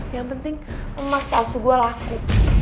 yang penting emas palsu gue laku